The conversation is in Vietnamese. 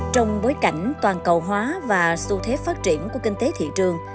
trong bối cảnh toàn cầu hóa và xu thế phát triển của kinh tế thị trường